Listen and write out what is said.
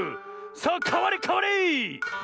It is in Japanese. さあかわれかわれ！